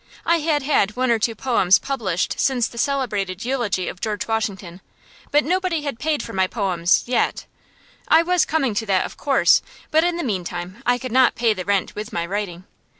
I had had one or two poems published since the celebrated eulogy of George Washington, but nobody had paid for my poems yet. I was coming to that, of course, but in the mean time I could not pay the rent with my writing.